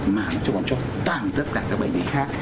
mà nó cho toàn tất cả các bệnh lý khác